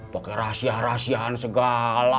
pakai rahasia rahasian segala